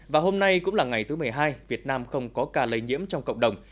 và hôm nay cũng là ngày thứ một mươi hai việt nam không có ca lây nhiễm trong cộng đồng